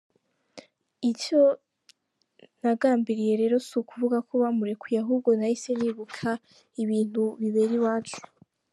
Icyo nagambiriye rero si ukuvuga ko bamurekuye ahubwo nahise nibuka ibintu bibera iwacu.